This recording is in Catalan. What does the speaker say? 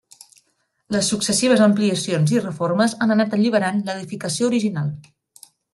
Les successives ampliacions i reformes han anat alliberant l'edificació original.